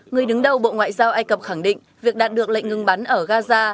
người đứng đầu bộ ngoại giao ai cập khẳng định việc đạt được lệnh ngừng bắn ở gaza